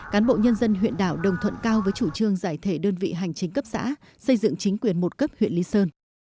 cán bộ nhân dân huyện đảo đồng thuận cao với chủ trương giải thể đơn vị hành chính cấp xã xây dựng chính quyền một cấp huyện lý sơn